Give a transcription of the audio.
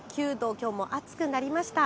きょうも暑くなりました。